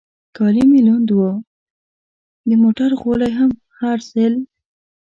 کالي مې لوند و، د موټر غولی هم هر ځل.